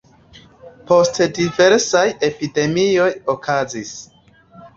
Poste diversaj epidemioj okazis.